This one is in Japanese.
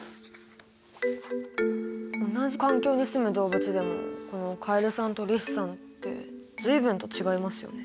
同じ環境にすむ動物でもこのカエルさんとリスさんって随分と違いますよね。